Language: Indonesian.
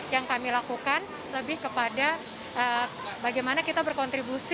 yang kami lakukan lebih kepada bagaimana kita berkontribusi